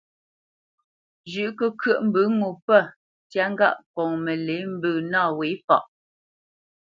Zhʉ̌ʼ kəkyə́ʼ mbə ŋo pə̂ ntyá ŋgâʼ ŋkɔŋ məlě mbə nâ wě faʼ.